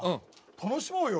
楽しもうよ。